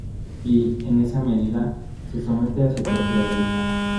Y, en esa medida, se somete a su propia ley.